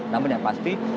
namun yang pasti